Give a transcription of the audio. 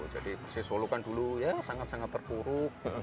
jadi persis solo kan dulu ya sangat sangat berpuruk